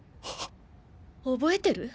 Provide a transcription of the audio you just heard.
覚えてる？